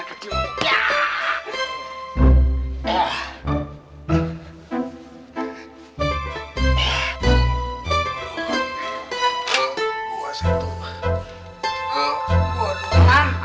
udah tutup makandu